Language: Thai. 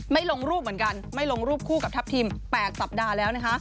ลงรูปเหมือนกันไม่ลงรูปคู่กับทัพทิม๘สัปดาห์แล้วนะคะ